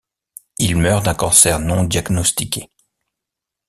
Il meurt d'un cancer non diagnostiqué.